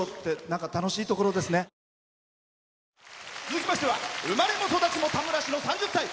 続きましては生まれも育ちも田村市の３０歳。